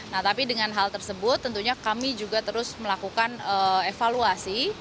nah tapi dengan hal tersebut tentunya kami juga terus melakukan evaluasi